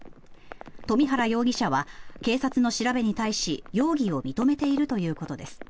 冨原容疑者は警察の調べに対し容疑を認めているということです。